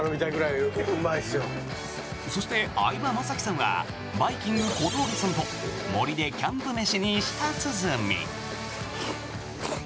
そして、相葉雅紀さんはバイキング・小峠さんと森でキャンプ飯に舌鼓。